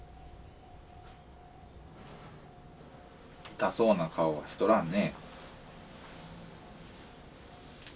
痛そうな顔はしとらんね。